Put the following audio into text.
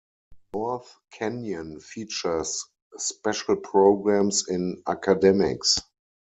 North Canyon features special programs in academics.